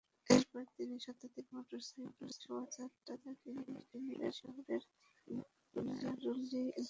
এরপর তিন শতাধিক মোটরসাইকেলের শোভাযাত্রা তাঁকে নিয়ে শহরের নারুলী এলাকায় যায়।